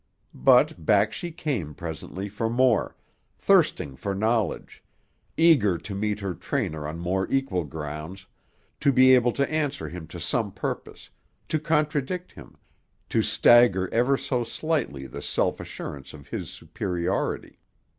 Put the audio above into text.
But back she came presently for more, thirsting for knowledge, eager to meet her trainer on more equal grounds, to be able to answer him to some purpose, to contradict him, to stagger ever so slightly the self assurance of his superiority.